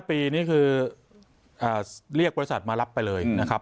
ปีนี่คือเรียกบริษัทมารับไปเลยนะครับ